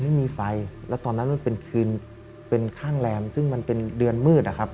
ไม่มีไฟแล้วตอนนั้นมันเป็นคืนเป็นข้างแรมซึ่งมันเป็นเดือนมืดนะครับ